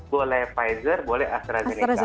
boleh pfizer boleh astrazeneca